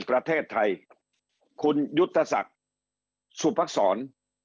ประเทศไทยคุณยุทธศักดิ์สุภักษร